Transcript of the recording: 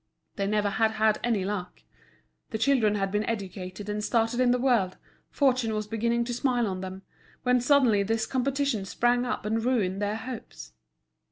They never had had any luck. The children had been educated and started in the world, fortune was beginning to smile on them, when suddenly this competition sprang up and ruined their hopes.